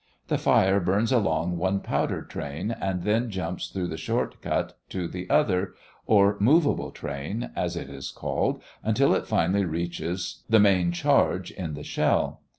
The fire burns along one powder train A, and then jumps through the short cut B to the other, or movable train, as it is called, until it finally reaches, through hole C, the main charge F, in the shell.